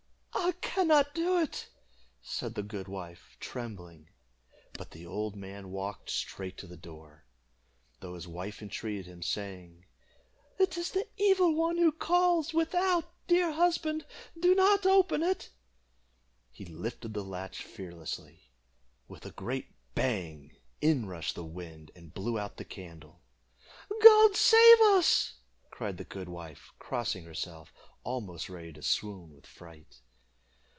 "I can not do it," said the good wife, trembling; but the old man walked straight to the door. Though his wife entreated him, saying, "It is the Evil One who calls without, dear husband, do not open it," he lifted the latch fearlessly. With a great bang in rushed the wind and blew out the candle. "God save us!" cried the good wife, crossing herself, almost ready to swoon with fright.